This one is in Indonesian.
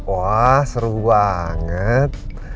wah seru banget